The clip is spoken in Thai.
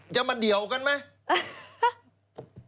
จะมาเดี่ยวกันไหม